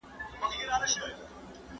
ما مخکي ونې ته اوبه ورکړې وې.